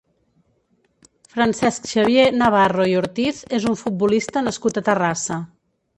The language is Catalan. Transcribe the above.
Francesc Xavier Navarro i Ortiz és un futbolista nascut a Terrassa.